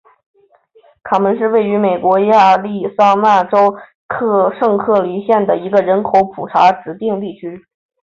卡门是位于美国亚利桑那州圣克鲁斯县的一个人口普查指定地区。